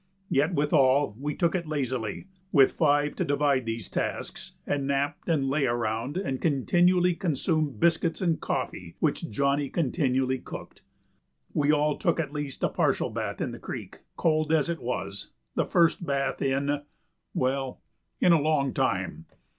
Yet withal, we took it lazily, with five to divide these tasks, and napped and lay around and continually consumed biscuits and coffee which Johnny continually cooked. We all took at least a partial bath in the creek, cold as it was, the first bath in well, in a long time.